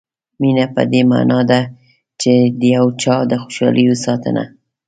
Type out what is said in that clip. مینه په دې معنا ده چې د یو چا د خوشالیو ساتنه.